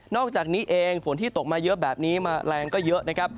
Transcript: อกจากนี้เองฝนที่ตกมาเยอะแบบนี้มาแรงก็เยอะนะครับ